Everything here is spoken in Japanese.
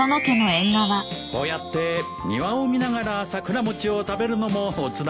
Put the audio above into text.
こうやって庭を見ながら桜餅を食べるのも乙だねえ。